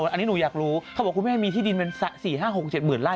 อันนี้หนูอยากรู้เขาบอกคุณแม่มีที่ดินเป็น๔๕๖๗หมื่นไร่